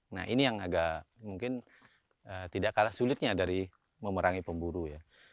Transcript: nah ini yang agak mungkin tidak kalah sulitnya dari memerangi pemburu ya